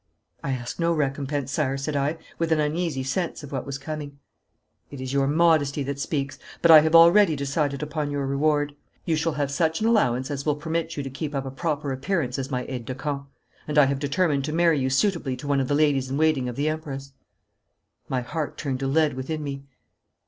'I ask no recompense, sire,' said I, with an uneasy sense of what was coming. 'It is your modesty that speaks. But I have already decided upon your reward. You shall have such an allowance as will permit you to keep up a proper appearance as my aide de camp, and I have determined to marry you suitably to one of the ladies in waiting of the Empress.' My heart turned to lead within me.